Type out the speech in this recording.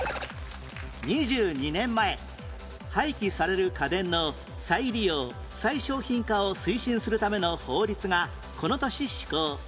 ２２年前廃棄される家電の再利用・再商品化を推進するための法律がこの年施行